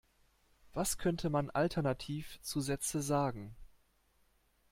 Was könnte man alternativ zu Sätze sagen?